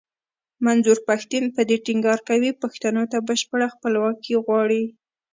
منظور پښتين په دې ټينګار کوي پښتنو ته بشپړه خپلواکي غواړي.